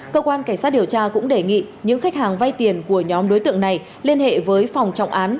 cơ quan cảnh sát điều tra cũng đề nghị những khách hàng vay tiền của nhóm đối tượng này liên hệ với phòng trọng án